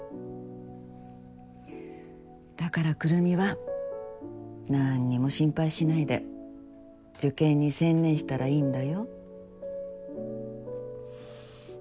だからくるみは何にも心配しないで受験に専念したらいいんだよ。